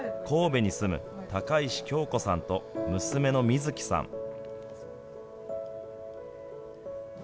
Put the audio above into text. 神戸に住む高石恭子さんと娘の瑞希さん。